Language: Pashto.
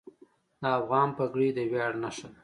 د افغان پګړۍ د ویاړ نښه ده.